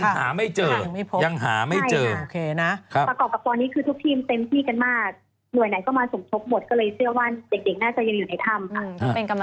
ด้วยคำแน่นบอกว่าเชื่อว่ายังมีที่ไม่ถูกแต่ว่าแค่